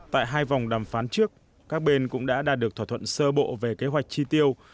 tại hai vòng đàm phán trước các bên cũng đã đạt được thỏa thuận sơ bộ về kế hoạch chi tiêu